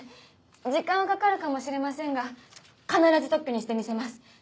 時間はかかるかもしれませんが必ず特許にしてみせます。